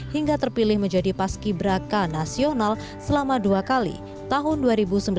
hingga terpilih menjadi paski braka nasional selama dua kali tahun dua ribu sembilan belas dan dua ribu dua puluh ini